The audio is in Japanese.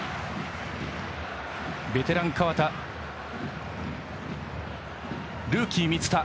ベテラン、河田。